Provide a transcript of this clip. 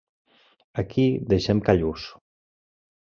Aquí deixem Callús.